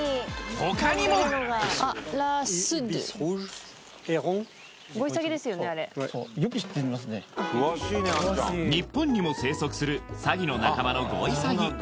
他にも日本にも生息するサギの仲間のゴイサギ